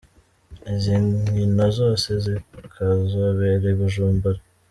Izo nkino zose zikazobera i Bujumbura.